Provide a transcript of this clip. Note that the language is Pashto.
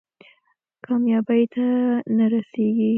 کامیابۍ ته نه رسېږي.